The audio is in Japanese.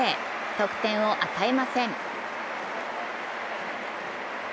得点を与えません。